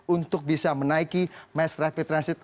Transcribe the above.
untuk bisa menaiki mass rapid transit